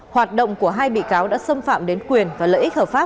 hoạt động của hai bị cáo đã xâm phạm đến quyền và lợi ích hợp pháp